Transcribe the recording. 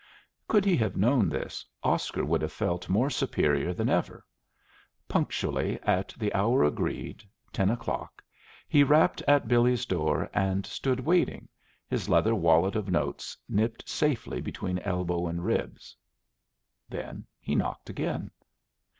. Could he have known this, Oscar would have felt more superior than ever. Punctually at the hour agreed, ten o'clock he rapped at Billy's door and stood waiting, his leather wallet of notes nipped safe between elbow and ribs. Then he knocked again.